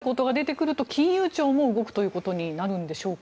そうなるともし保険業法に関わることが出てくると金融庁も動くということになるんでしょうか。